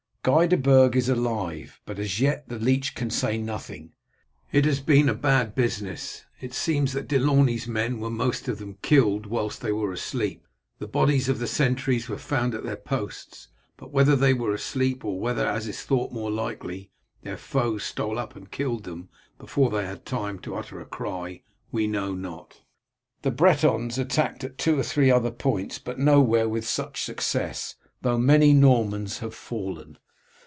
Guy de Burg is alive, but as yet the leech can say nothing. It has been a bad business. It seems that De Launey's men were most of them killed whilst they were asleep. The bodies of the sentries were found at their posts, but whether they were asleep, or whether, as is thought more likely, their foes stole up and killed them before they had time to utter a cry, we know not. The Bretons attacked at two or three other points, but nowhere with such success, though many Normans have fallen.